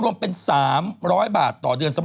หมวดไปทั้งหลายพันทุกอย่าง